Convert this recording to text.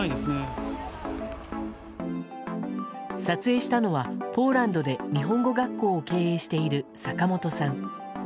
撮影したのは、ポーランドで日本語学校を経営している坂本さん。